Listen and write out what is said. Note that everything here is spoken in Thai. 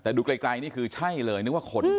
แต่ดูไกลนี่คือใช่เลยนึกว่าคน